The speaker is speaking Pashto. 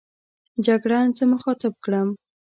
جګړن زه مخاطب کړم.